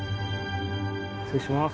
失礼します。